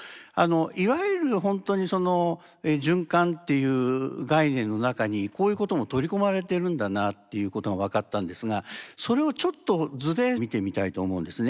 いわゆるほんとにその循環っていう概念の中にこういうことも取り込まれているんだなっていうことが分かったんですがそれをちょっと図で見てみたいと思うんですね。